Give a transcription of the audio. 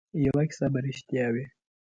یوه کیسه به ریښتیا وي.